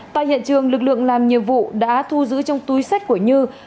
tại hiện trường lực lượng làm nhiệm vụ đã thu giữ trong túi sách của như